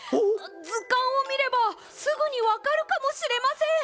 ずかんをみればすぐにわかるかもしれません！